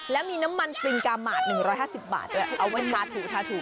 แล้วมีน้ำมันปริงกาหมาด๑๕๐บาทด้วยเอาไว้ทาถูทาถู